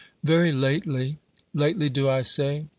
Very lately — lately do I say?